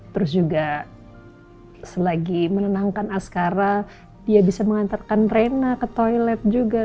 terus juga selagi menenangkan askara dia bisa mengantarkan rena ke toilet juga